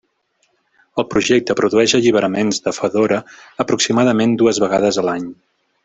El projecte produeix alliberaments de Fedora aproximadament dues vegades l'any.